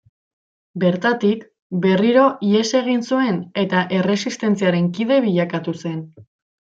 Bertatik, berriro ihes egin zuen eta Erresistentziaren kide bilakatu zen.